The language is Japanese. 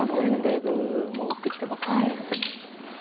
だいぶ戻ってきてますよね。